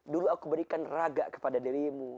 dulu aku berikan raga kepada dirimu